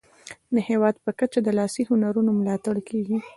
د هیواد په کچه د لاسي هنرونو ملاتړ کیږي.